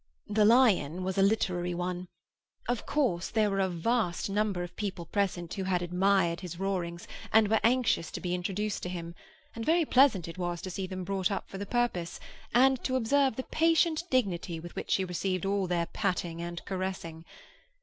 The lion was a literary one. Of course, there were a vast number of people present who had admired his roarings, and were anxious to be introduced to him; and very pleasant it was to see them brought up for the purpose, and to observe the patient dignity with which he received all their patting and caressing.